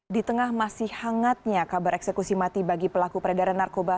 di tengah masih hangatnya kabar eksekusi mati bagi pelaku peredaran narkoba